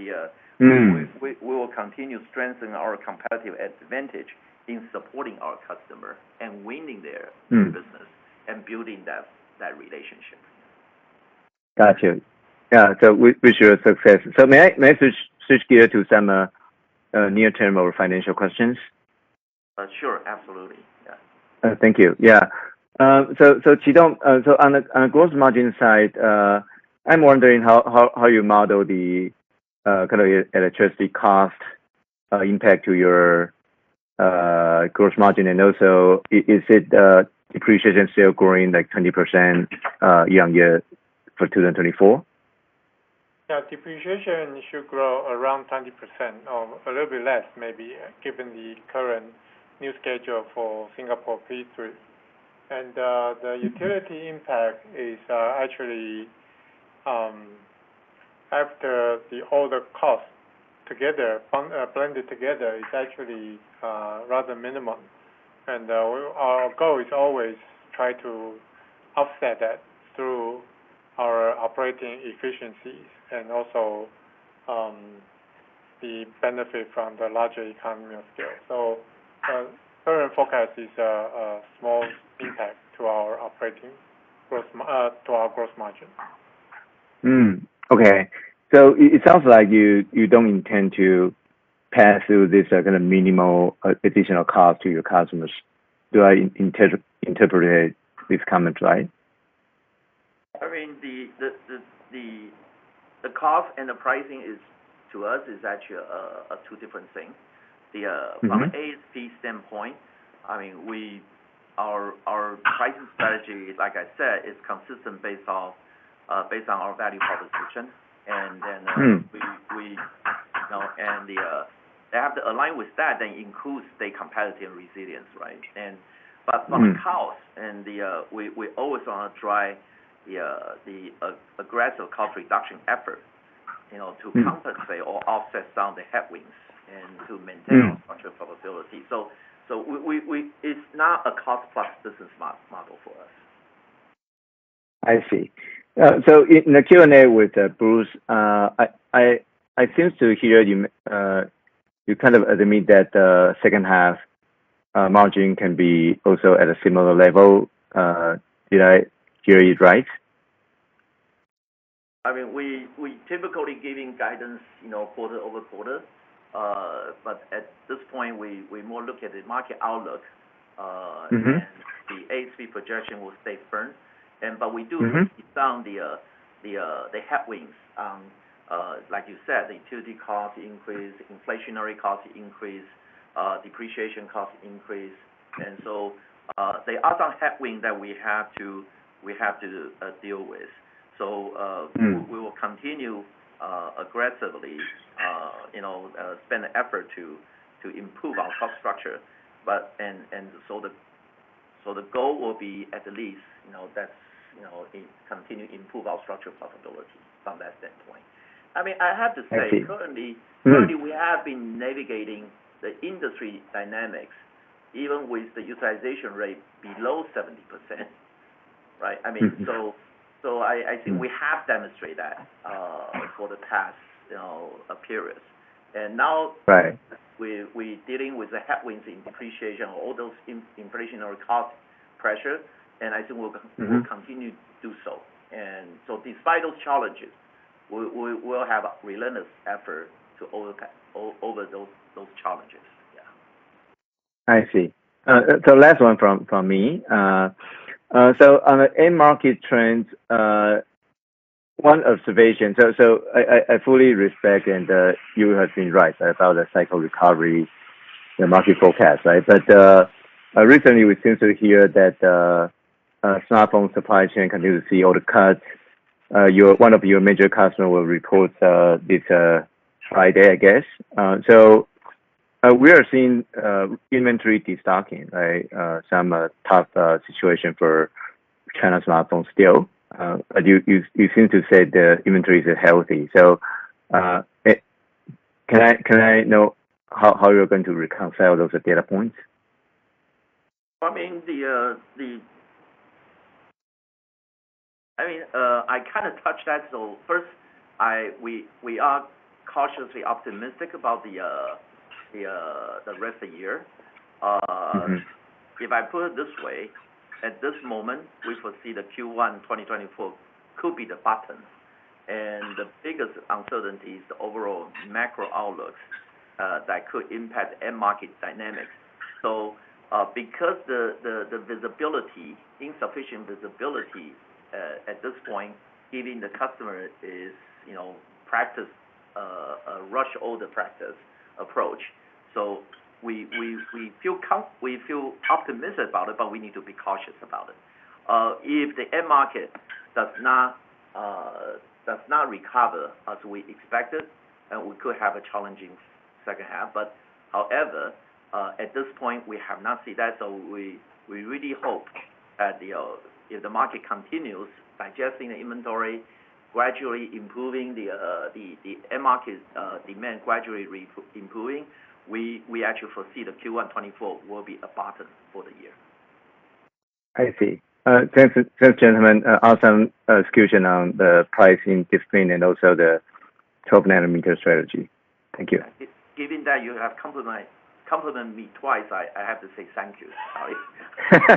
D: We will continue strengthening our competitive advantage in supporting our customer and winning their business and building that relationship.
I: Gotcha. Yeah. So, wish you a success. So, may I switch gears to some near-term or financial questions?
D: Sure. Absolutely. Yeah.
I: Thank you. Yeah. So Chi-Tung, so on the gross margin side, I'm wondering how you model the kind of electricity cost impact to your gross margin. And also, is it depreciation still growing like 20% year-on-year for 2024?
B: Yeah. Depreciation should grow around 20% or a little bit less, maybe, given the current new schedule for Singapore P3. The utility impact is actually after the older costs blended together. It's actually rather minimal. Our goal is always to try to offset that through our operating efficiencies and also the benefit from the larger economy of scale. So current forecast is a small impact to our operating to our gross margin.
I: Okay. So it sounds like you don't intend to pass through this kind of minimal additional cost to your customers. Do I interpret this comment right?
D: I mean, the cost and the pricing to us is actually two different things. From an ASP standpoint, I mean, our pricing strategy, like I said, is consistent based on our value proposition. And then we and they have to align with that and include stay competitive resilience, right? But from a cost, we always want to drive the aggressive cost reduction effort to compensate or offset some of the headwinds and to maintain our structural profitability. So it's not a cost-plus business model for us.
I: I see. So in the Q&A with Bruce, I seem to hear you kind of admit that the second-half margin can be also at a similar level. Did I hear it right?
D: I mean, we're typically giving guidance quarter-over-quarter. But at this point, we more look at the market outlook. And the ASP projection will stay firm. But we do look at some of the headwinds. Like you said, the utility cost increase, inflationary cost increase, depreciation cost increase. And so there are some headwinds that we have to deal with. So we will continue aggressively to spend effort to improve our cost structure. And so the goal will be at least to continue to improve our structural profitability from that standpoint. I mean, I have to say, currently, we have been navigating the industry dynamics even with the utilization rate below 70%, right? I mean, so I think we have demonstrated that for the past period. And now, we're dealing with the headwinds in depreciation or all those inflationary cost pressure. And I think we'll continue to do so. And so despite those challenges, we'll have a relentless effort to overcome those challenges. Yeah.
I: I see. So last one from me. So on the end-market trends, one observation so I fully respect, and you have been right about the cycle recovery market forecast, right? But recently, we seem to hear that smartphone supply chain continues to see all the cuts. One of your major customers will report this Friday, I guess. So we are seeing inventory destocking, right? Some tough situation for China smartphones still. But you seem to say the inventory is healthy. So can I know how you're going to reconcile those data points?
D: I mean, I kind of touched that. So first, we are cautiously optimistic about the rest of the year. If I put it this way, at this moment, we foresee the Q1 2024 could be the bottom. The biggest uncertainty is the overall macro outlooks that could impact end-market dynamics. So because the insufficient visibility at this point giving the customer is a rush order practice approach, so we feel optimistic about it, but we need to be cautious about it. If the end-market does not recover as we expected, then we could have a challenging second-half. However, at this point, we have not seen that. So we really hope that if the market continues digesting the inventory, gradually improving the end-market demand, gradually improving, we actually foresee the Q1 2024 will be a bottom for the year.
I: I see. Thanks, gentlemen. Awesome execution on the pricing discipline and also the 12-nanometer strategy. Thank you.
D: Given that you have complimented me twice, I have to say thank you.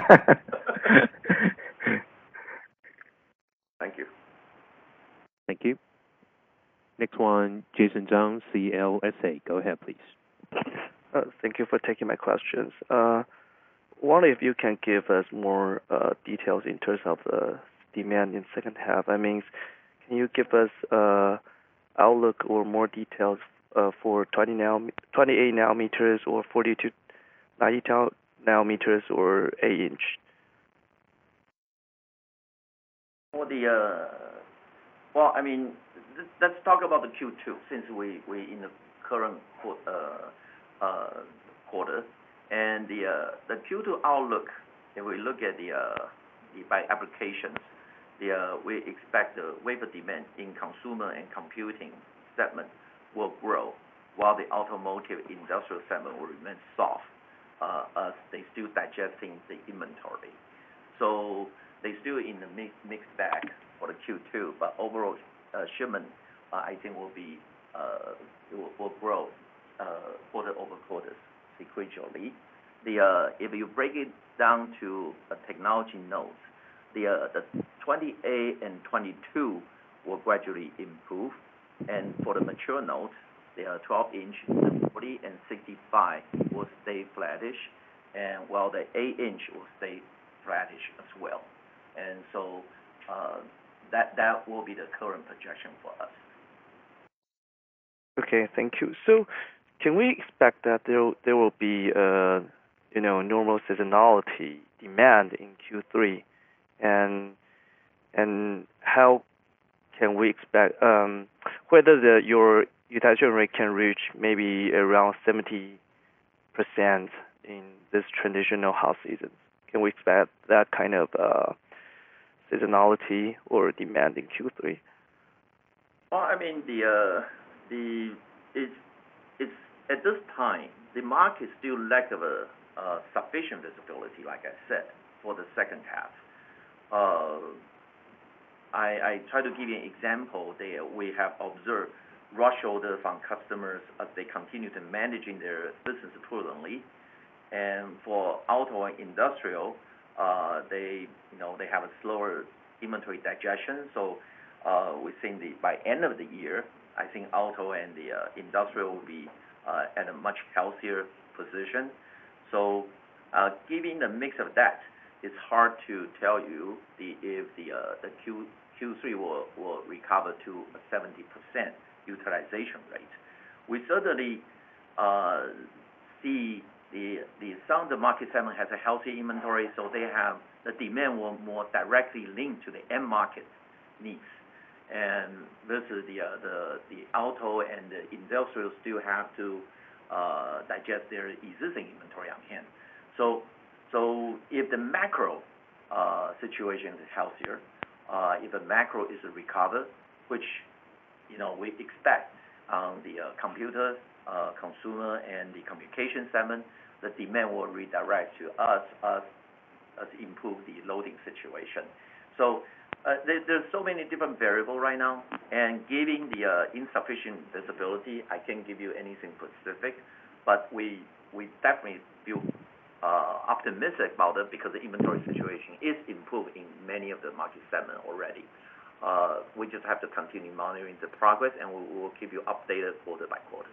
D: Sorry. Thank you.
A: Thank you. Next one, Sunny Lin, CLSA Go ahead, please.
J: Thank you for taking my questions. I wonder if you can give us more details in terms of the demand in second half? I mean, can you give us an outlook or more details for 28 nanometers or 40, 90 nanometers or 8-inch?
D: Well, I mean, let's talk about the Q2 since we're in the current quarter. The Q2 outlook, if we look at the by applications, we expect the wafer demand in consumer and computing segment will grow while the automotive industrial segment will remain soft as they're still digesting the inventory. So they're still in the mixed bag for the Q2. But overall shipment, I think, will grow quarter-over-quarter sequentially. If you break it down to technology nodes, the 28 and 22 will gradually improve. And for the mature nodes, the 12-inch, the 40, and 65 will stay flatish, while the 8-inch will stay flatish as well. And so that will be the current projection for us.
J: Okay. Thank you. So can we expect that there will be normal seasonality demand in Q3? And how can we expect whether your utilization rate can reach maybe around 70% in this traditional hot season? Can we expect that kind of seasonality or demand in Q3?
D: Well, I mean, at this time, the market still lacks sufficient visibility, like I said, for the second half. I tried to give you an example there. We have observed rush orders from customers as they continue to manage their business fluidly. And for auto and industrial, they have a slower inventory digestion. So we think by the end of the year, I think auto and the industrial will be at a much healthier position. So given the mix of that, it's hard to tell you if the Q3 will recover to a 70% utilization rate. We certainly see some of the market segment has a healthy inventory. So the demand will more directly link to the end-market needs. And versus the auto and the industrial still have to digest their existing inventory on hand. So if the macro situation is healthier, if the macro is recovered, which we expect on the computer, consumer, and the communication segment, the demand will redirect to us as we improve the loading situation. There's so many different variables right now. Given the insufficient visibility, I can't give you anything specific. We definitely feel optimistic about it because the inventory situation is improved in many of the market segments already. We just have to continue monitoring the progress. We will keep you updated quarter by quarter.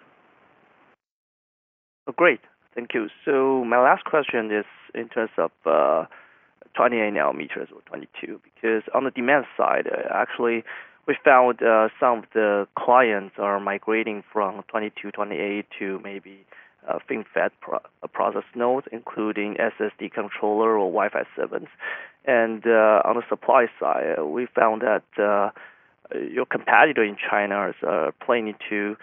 J: Great. Thank you. So my last question is in terms of 28 nanometers or 22 because on the demand side, actually, we found some of the clients are migrating from 22, 28 to maybe FinFET process nodes, including SSD controller or Wi-Fi 7s. And on the supply side, we found that your competitor in China is planning to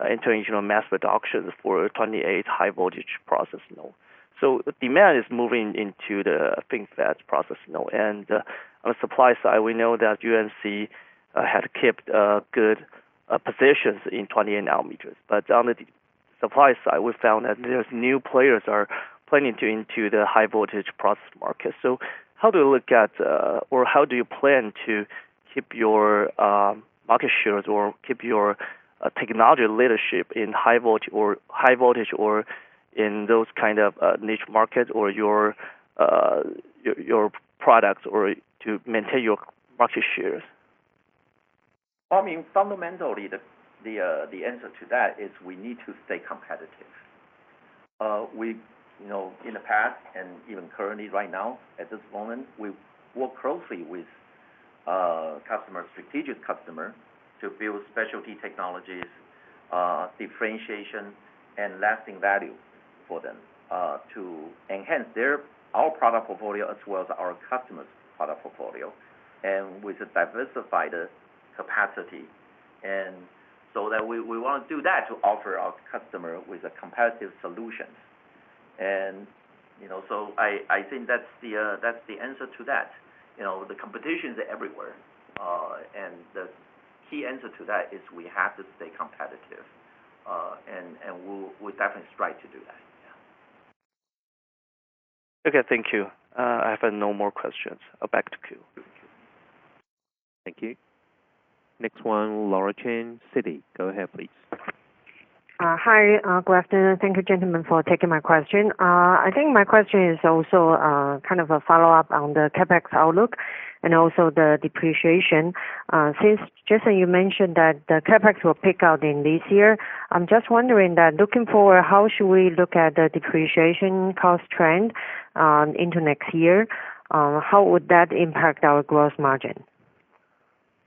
J: enter into mass production for 28 high-voltage process nodes. So demand is moving into the FinFET process node. And on the supply side, we know that UMC had kept good positions in 28 nanometers. But on the supply side, we found that there's new players planning to enter the high-voltage process market. So how do you look at or how do you plan to keep your market shares or keep your technology leadership in high voltage or in those kind of niche markets or your products to maintain your market shares?
D: Well, I mean, fundamentally, the answer to that is we need to stay competitive. In the past and even currently, right now, at this moment, we work closely with strategic customers to build specialty technologies, differentiation, and lasting value for them to enhance our product portfolio as well as our customers' product portfolio and with a diversified capacity. And so we want to do that to offer our customers with competitive solutions. And so I think that's the answer to that. The competition is everywhere. And the key answer to that is we have to stay competitive. And we'll definitely strive to do that. Yeah.
J: Okay. Thank you. I have no more questions. Back to Q.
A: Thank you. Next one, Laura Chen, Citi. Go ahead, please.
K: Hi, Jason. Thank you, gentlemen, for taking my question. I think my question is also kind of a follow-up on the CapEx outlook and also the depreciation. Since Jason, you mentioned that the CapEx will pick up in this year, I'm just wondering that looking forward, how should we look at the depreciation cost trend into next year? How would that impact our gross margin?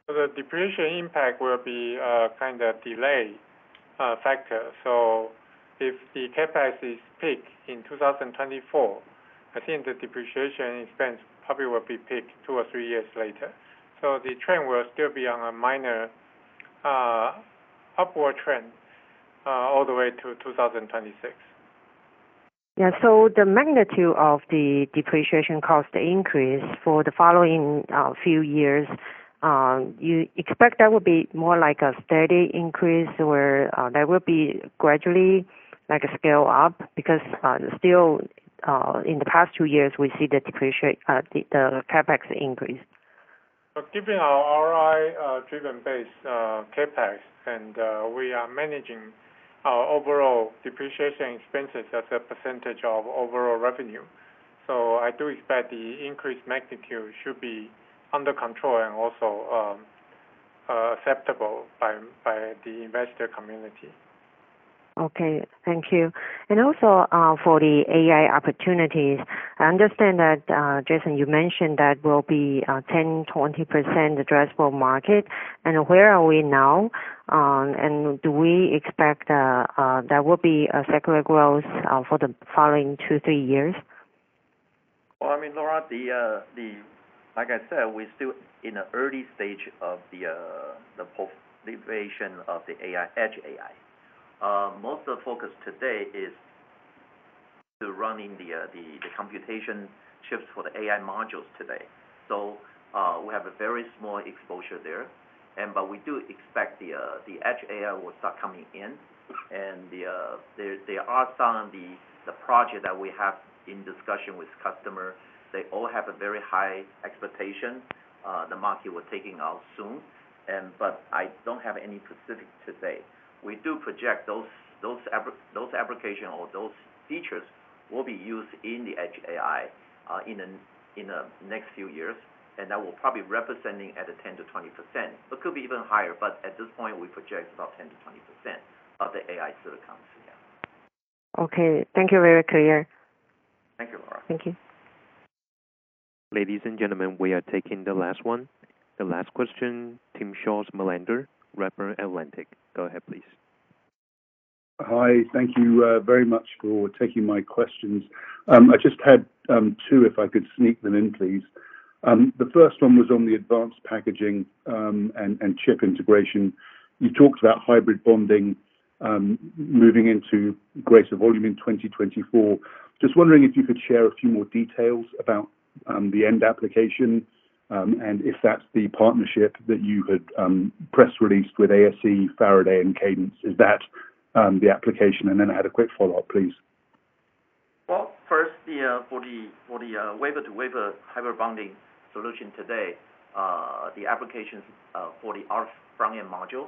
B: So the depreciation impact will be kind of a delay factor. So if the CapEx is peaked in 2024, I think the depreciation expense probably will be peaked two or three years later. So the trend will still be on a minor upward trend all the way to 2026.
K: Yeah. So the magnitude of the depreciation cost increase for the following few years, you expect that will be more like a steady increase or that will gradually scale up because still, in the past two years, we see the CapEx increase?
B: Given our ROI-driven-based CapEx, and we are managing our overall depreciation expenses as a percentage of overall revenue, so I do expect the increased magnitude should be under control and also acceptable by the investor community.
K: Okay. Thank you. And also for the AI opportunities, I understand that, Jason, you mentioned that it will be 10%-20% addressable market. And where are we now? And do we expect that will be a secular growth for the following 2-3 years?
D: Well, I mean, Laura, like I said, we're still in the early stage of the proliferation of the edge AI. Most of the focus today is running the computation chips for the AI modules today. So we have a very small exposure there. But we do expect the edge AI will start coming in. And there are some of the projects that we have in discussion with customers. They all have a very high expectation. The market will take it out soon. But I don't have any specifics to say. We do project those applications or those features will be used in the edge AI in the next few years. And that will probably represent at a 10%-20%. It could be even higher. But at this point, we project about 10%-20% of the AI silicon. Yeah.
K: Okay. Thank you. Very clear.
D: Thank you, Laura.
K: Thank you.
A: Ladies and gentlemen, we are taking the last one, the last question. Timm Schulze-Melander, Redburn Atlantic. Go ahead, please.
L: Hi. Thank you very much for taking my questions. I just had two, if I could sneak them in, please. The first one was on the advanced packaging and chip integration. You talked about hybrid bonding moving into greater volume in 2024. Just wondering if you could share a few more details about the end application and if that's the partnership that you had press-released with ASE, Faraday, and Cadence. Is that the application? And then I had a quick follow-up, please.
D: Well, first, for the wafer-to-wafer hybrid bonding solution today, the applications for the RF front-end module.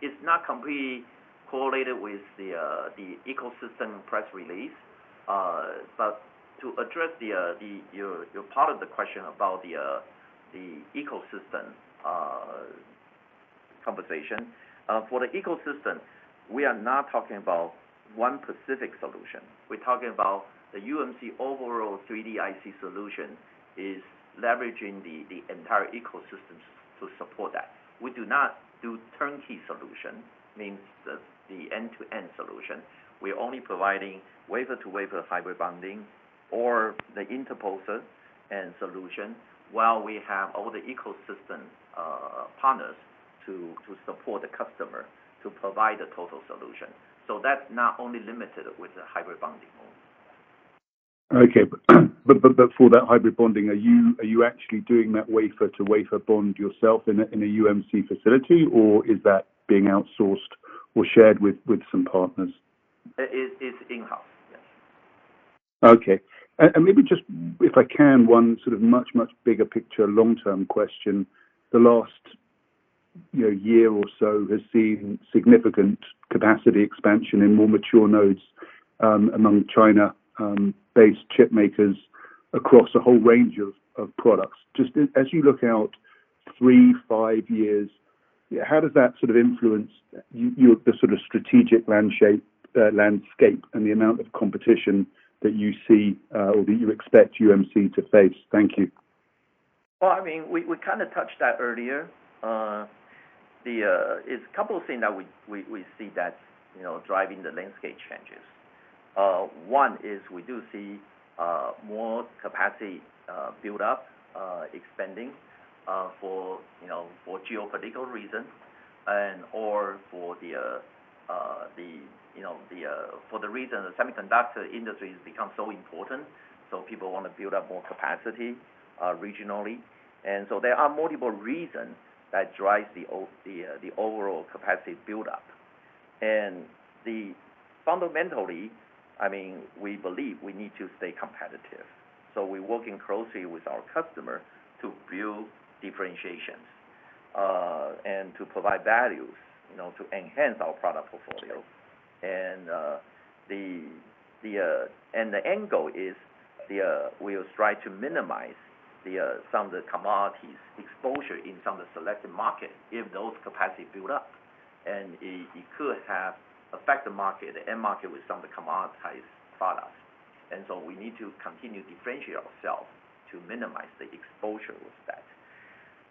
D: It's not completely correlated with the ecosystem press release. To address your part of the question about the ecosystem conversation, for the ecosystem, we are not talking about one specific solution. We're talking about the UMC overall 3D IC solution is leveraging the entire ecosystem to support that. We do not do turnkey solution, means the end-to-end solution. We're only providing wafer-to-wafer hybrid bonding or the interposer and solution while we have all the ecosystem partners to support the customer to provide the total solution. That's not only limited with the hybrid bonding only.
L: Okay. But for that hybrid bonding, are you actually doing that wafer-to-wafer bond yourself in a UMC facility, or is that being outsourced or shared with some partners?
D: It's in-house. Yes.
L: Okay. And maybe just, if I can, one sort of much, much bigger picture, long-term question. The last year or so has seen significant capacity expansion in more mature nodes among China-based chipmakers across a whole range of products. Just as you look out 3, 5 years, how does that sort of influence the sort of strategic landscape and the amount of competition that you see or that you expect UMC to face? Thank you.
D: Well, I mean, we kind of touched that earlier. There's a couple of things that we see that's driving the landscape changes. One is we do see more capacity buildup, expanding for geopolitical reasons or for the reason the semiconductor industry has become so important. So people want to build up more capacity regionally. And so there are multiple reasons that drive the overall capacity buildup. And fundamentally, I mean, we believe we need to stay competitive. So we're working closely with our customer to build differentiations and to provide values to enhance our product portfolio. And the angle is we'll strive to minimize some of the commodities' exposure in some of the selected markets if those capacity build up. And it could affect the market, the end market, with some of the commoditized products. And so we need to continue to differentiate ourselves to minimize the exposure with that.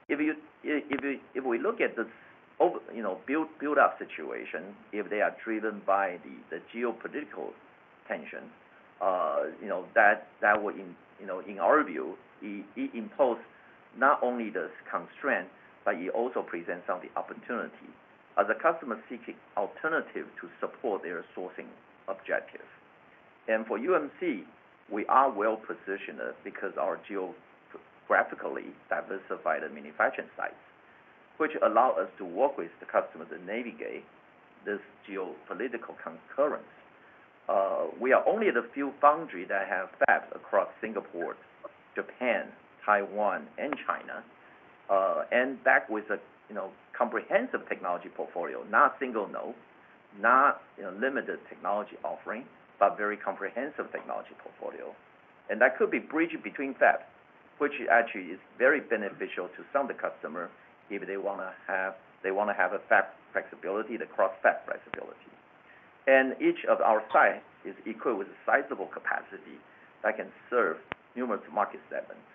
D: If we look at the buildup situation, if they are driven by the geopolitical tension, that will, in our view, impose not only this constraint, but it also presents some of the opportunity as a customer seeking alternatives to support their sourcing objectives. And for UMC, we are well-positioned because of our geographically diversified manufacturing sites, which allow us to work with the customers and navigate this geopolitical concurrence. We are one of the few foundries that have fabs across Singapore, Japan, Taiwan, and China, and backed with a comprehensive technology portfolio, not single node, not limited technology offering, but very comprehensive technology portfolio. And that could be bridging between fabs, which actually is very beneficial to some of the customers if they want to have a fab flexibility, the cross-fab flexibility. Each of our sites is equipped with a sizable capacity that can serve numerous market segments.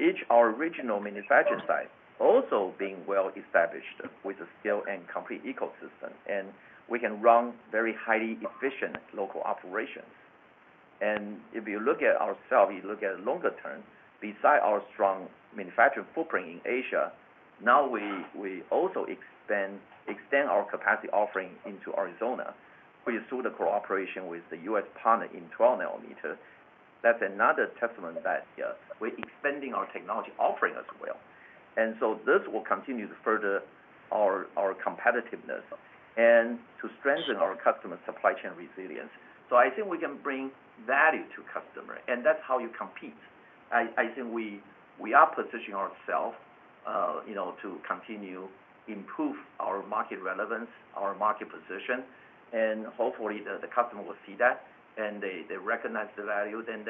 D: Each of our regional manufacturing sites also being well-established with a scale and complete ecosystem. We can run very highly efficient local operations. If you look at ourselves, you look at the longer term, besides our strong manufacturing footprint in Asia, now we also extend our capacity offering into Arizona, which is through the cooperation with the U.S. partner in 12 nanometers. That's another testament that we're expanding our technology offering as well. So this will continue to further our competitiveness and to strengthen our customer supply chain resilience. So I think we can bring value to customers. That's how you compete. I think we are positioning ourselves to continue to improve our market relevance, our market position. Hopefully, the customer will see that, and they recognize the value. Then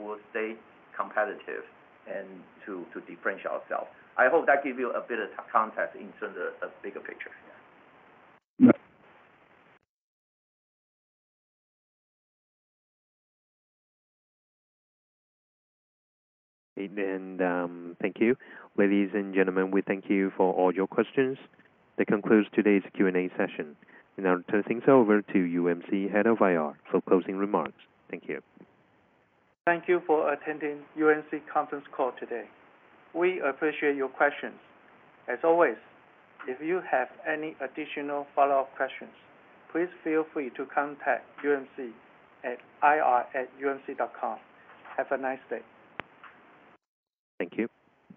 D: we'll stay competitive and to differentiate ourselves. I hope that gave you a bit of context in terms of the bigger picture. Yeah.
A: Thank you. Ladies and gentlemen, we thank you for all your questions. That concludes today's Q&A session. I'll turn things over to UMC Head of IR for closing remarks. Thank you.
B: Thank you for attending UMC conference call today. We appreciate your questions. As always, if you have any additional follow-up questions, please feel free to contact UMC at ir@umc.com. Have a nice day.
A: Thank you.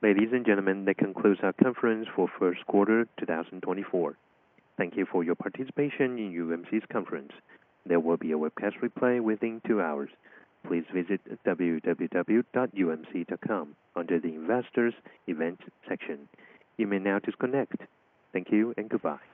A: Ladies and gentlemen, that concludes our conference for first quarter 2024. Thank you for your participation in UMC's conference. There will be a webcast replay within two hours. Please visit www.umc.com under the investors' events section. You may now disconnect. Thank you and goodbye.